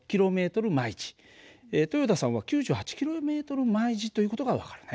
豊田さんは９８ｋｍ／ｈという事が分かるね。